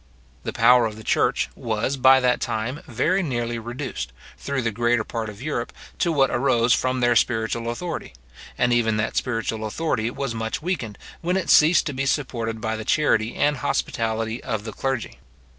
The power of the church was, by that time, very nearly reduced, through the greater part of Europe, to what arose from their spiritual authority; and even that spiritual authority was much weakened, when it ceased to be supported by the charity and hospitality of the clergy.